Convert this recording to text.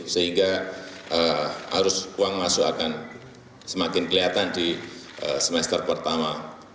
sehingga arus uang masuk akan semakin kelihatan di semester pertama